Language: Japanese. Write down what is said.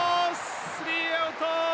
スリーアウト！